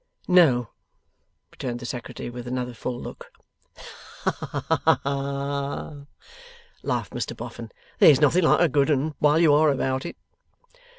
'No,' returned the Secretary, with another full look. 'Ha, ha, ha!' laughed Mr Boffin. 'There's nothing like a good 'un while you ARE about it.